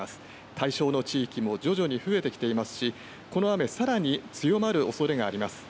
対象の地域も徐々に増えてきていますし、この雨、さらに強まるおそれがあります。